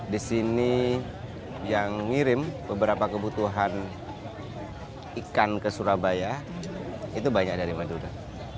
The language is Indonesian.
di sini yang ngirim beberapa kebutuhan ikan ke surabaya itu banyak dari madura